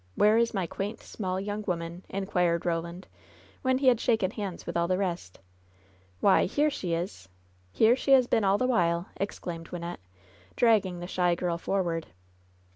Where is my quaint, small, young woman ?" inquired Roland, when he had shaken hands with all the rest. "Why, here she is I Here she has been all the while I'^ exclaimed Wynnette, dragging the shy girl forward.